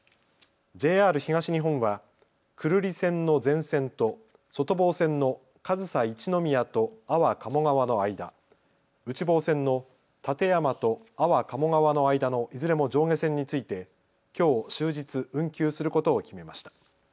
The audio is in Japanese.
ＪＲ東日本は久留里線の全線と外房線の上総一ノ宮と安房鴨川の間、内房線の館山と安房鴨川の間のいずれも上下線についてきょう終日運休することを決めました。